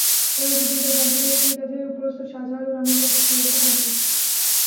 তাঁরা দুজন তা জানতে পেরেছিলেন তাদের উপরস্থ শাজাল নামক এক ফেরেশতা থেকে।